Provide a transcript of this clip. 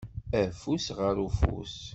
Afus ɣer ufus.